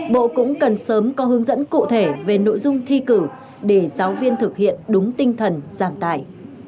bộ cũng cần sớm có hướng dẫn cụ thể về nội dung thi cử để giáo viên thực hiện đúng tinh thần giảm tài